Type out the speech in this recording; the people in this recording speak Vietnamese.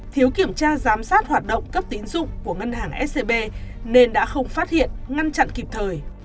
thiếu kiểm tra giám sát hoạt động cấp tín dụng của ngân hàng scb nên đã không phát hiện ngăn chặn kịp thời